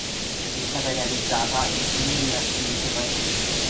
È stata realizzata in stile rinascimento francese.